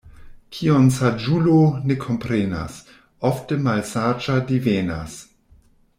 Kion saĝulo ne komprenas, ofte malsaĝa divenas.